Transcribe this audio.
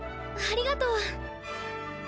ありがとう。